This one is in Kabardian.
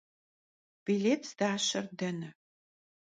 Bilêt zdaşer dene?